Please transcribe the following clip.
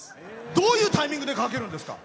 どういうタイミングでかけるんですか？